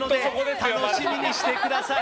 楽しみにしてください。